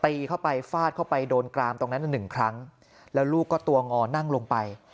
เข้าไปฟาดเข้าไปโดนกรามตรงนั้นหนึ่งครั้งแล้วลูกก็ตัวงอนั่งลงไป